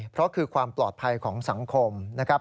เพราะคือความปลอดภัยของสังคมนะครับ